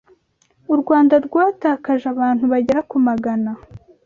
u Rwanda rwatakaje abantu bagera ku Magana